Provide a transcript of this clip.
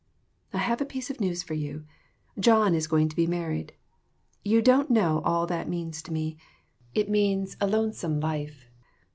I have a piece of news for you. John is going to be married. You don't know all that means to me. It means a lonesome life.